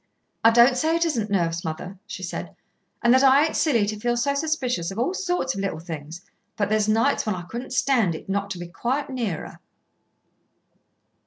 "I don't say it isn't nerves, mother," she said, "and that I ain't silly to feel so suspicious of all sorts of little things, but there's nights when I couldn't stand it not to be quite near her."